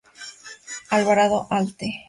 Alvarado, Alte.